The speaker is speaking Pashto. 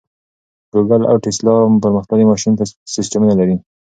ګوګل او ټیسلا پرمختللي ماشیني سیسټمونه دي.